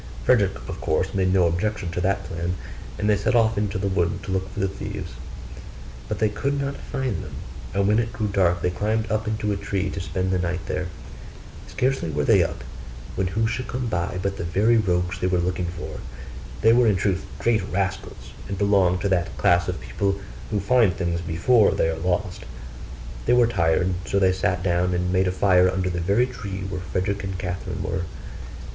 Frederick of course made no objection to that plan, and they set off into the wood to look for the thieves; but they could not find them: and when it grew dark, they climbed up into a tree to spend the night there. Scarcely were they up, than who should come by but the very rogues they were looking for. They were in truth great rascals, and belonged to that class of people who find things before they are lost; they were tired; so they sat down and made a fire under the very tree where Frederick and Catherine were.